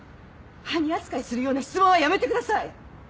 犯人扱いするような質問はやめてください。